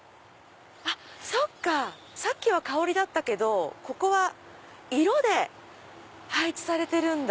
そっかさっきは香りだったけどここは色で配置されてるんだ。